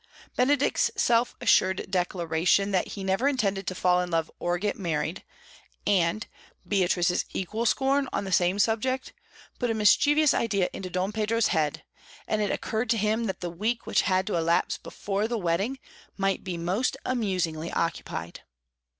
'" Benedick's self assured declaration that he never intended to fall in love or get married, and Beatrice's equal scorn on the same subject, put a mischievous idea into Don Pedro's head, and it occurred to him that the week which had to elapse before the wedding might be most amusingly occupied.